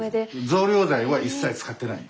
増量剤は一切使ってない。